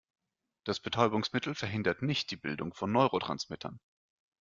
Das Betäubungsmittel verhindert nicht die Bildung von Neurotransmittern.